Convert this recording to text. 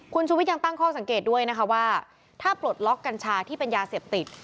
คุณชุวิตยังตั้งข้อสังเกตด้วยนะคะว่าถ้าปลดล็อกกัญชาที่เป็นยาเสพติด